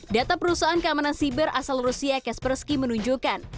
data perusahaan keamanan siber asal rusia kaspersky menunjukkan